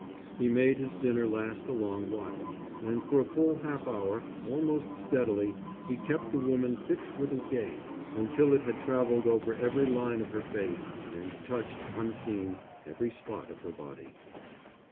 He made his dinner last a long while, and for a full half hour, almost steadily, he kept the woman fixed with his gaze, until it had travelled over every line of her face and touched, unseen, every spot of her body.